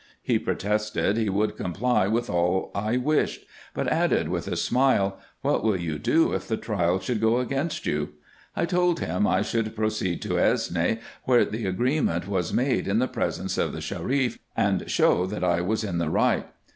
He protested he would comply with all I wished ; but added, with a smile, " What will you do, if the trial should go against you ?" I told him I should pro ceed to Esne, where the agreement was made in the presence of the Sharif, and show that I was in the right.